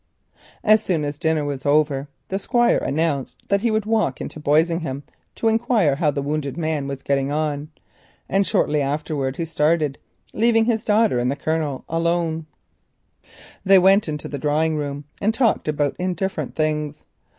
As soon as dinner was over the Squire announced that he should walk into Boisingham to inquire how the wounded man was getting on. Shortly afterwards he started, leaving his daughter and Harold alone. They went into the drawing room and talked about indifferent things.